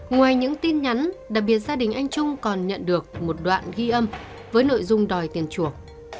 ngoài những tin nhắn đặc biệt gia đình anh trung còn nhận được một đoạn ghi âm với nội dung đòi tiền chuộc